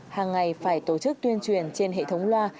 hàng ngày phải tổ chức tuyên truyền trên hệ thống loa